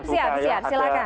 siap siap silakan